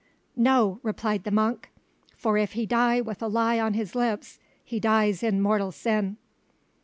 "No," replied the monk; "for if he die with a lie on his lips he dies in mortal sin."